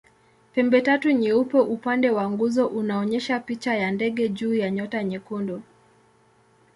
Pembetatu nyeupe upande wa nguzo unaonyesha picha ya ndege juu ya nyota nyekundu.